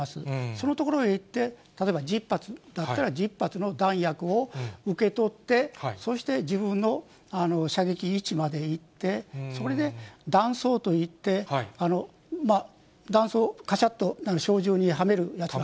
その所へ行って、例えば１０発だったら１０発の弾薬を受け取って、そして自分の射撃位置まで行って、それで弾倉といって、弾倉、弾をこめるときですね。